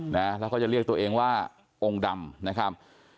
นะแล้วเขาจะเรียกตัวเองว่าองค์ดำนะครับ